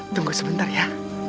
tunggu sebentar ya